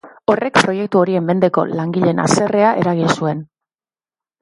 Horrek proiektu horien mendeko langileen haserrea eragin zuen.